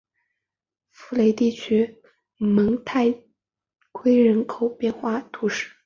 福雷地区蒙泰圭人口变化图示